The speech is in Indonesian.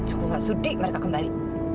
aku gak sudi mereka kembali